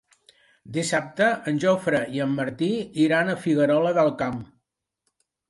Dissabte en Jofre i en Martí iran a Figuerola del Camp.